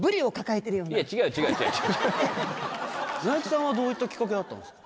尚之さんはどういったきっかけだったんですか？